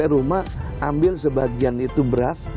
rumah ambil sebagian itu beras